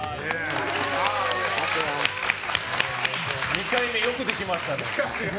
２回目、よくできましたね。